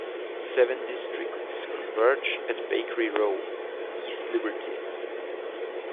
Seven districts converge at Bakery Row: East Liberty.